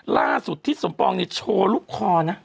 ล่าสุดทิศสมปองเนี่ยโชว์ลูกคอนะ